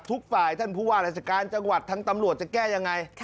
ทุกฝ่ายท่านผู้ว่าราชการจังหวัดทั้งตำรวจจะแก้ยังไง